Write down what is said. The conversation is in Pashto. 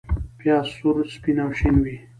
پیاز سور، سپین او شین وي